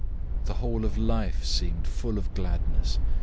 The whole of life seemed full of gladness.